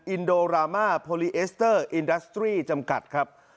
อินโดรามาโพลีเอสเตอร์อินดัสตรีจำกัดครับ